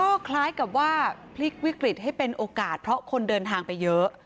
ก็คล้ายกับว่าพลิกวิกฤตให้เป็นโอกาสเพราะคนเดินทางไปเยอะ